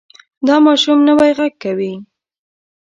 دا ماشوم نوی غږ کوي.